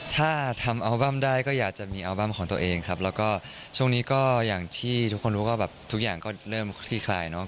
ถ้าทำอัลบั้มได้ก็อยากจะมีอัลบั้มของตัวเองครับแล้วก็ช่วงนี้ก็อย่างที่ทุกคนรู้ก็แบบทุกอย่างก็เริ่มคลี่คลายเนาะ